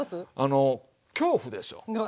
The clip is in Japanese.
恐怖でしょ？